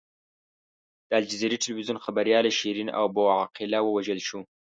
د الجزیرې ټلویزیون خبریاله شیرین ابو عقیله ووژل شوه.